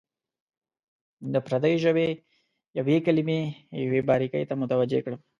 د پردۍ ژبې یوې کلمې یوې باریکۍ ته متوجه کړم.